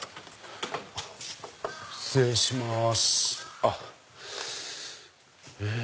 失礼します。